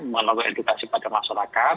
melakukan edukasi pada masyarakat